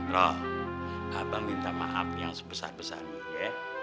roh abang minta maaf yang sebesar besarnya